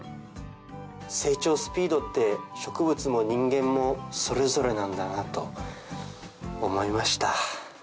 成長スピードって植物も人間もそれぞれなんだなと思いました。